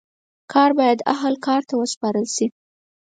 کار باید اهل کار ته وسپارل سي.